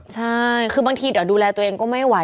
ใช่คือบางทีเดี๋ยวดูแลตัวเองก็ไม่ไหว